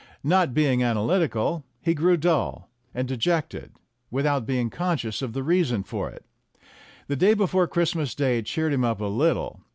Not being analytical, he grew dull and de jected without being conscious of the reason for it. The day before Christmas Day cheered him up a little.